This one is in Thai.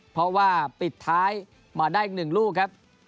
เพราะว่าปิดท้ายมาได้อีก๑ลูกครับ